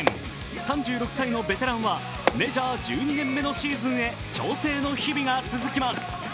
３６歳のベテランはメジャー１２年目のシーズンへ調整の日々が続きます。